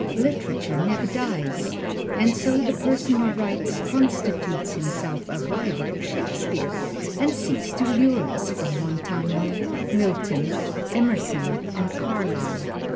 Literature never dies, and so the person who writes constitutes himself a rival of Shakespeare and seeks to lure us from Montaigne, Milton, Emerson and Carlyle.